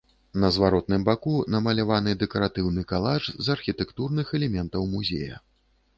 На зваротным баку намаляваны дэкаратыўны калаж з архітэктурных элементаў музея.